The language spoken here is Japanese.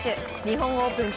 日本オープン